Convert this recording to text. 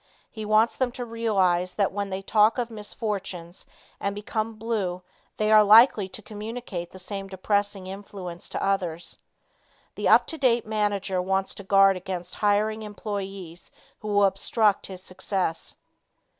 He wants them to realize that when they talk of misfortunes and become blue they are likely to communicate the same depressing influence to others. The up to date manager wants to guard against hiring employees who will obstruct his success.